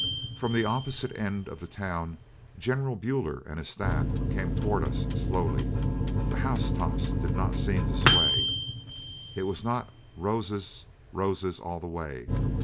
From the opposite end of the town General Buller and his staff came toward us slowly the house tops did not seem to sway it was not "roses, roses all the way."